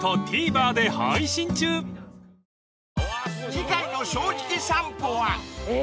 ［次回の『正直さんぽ』は］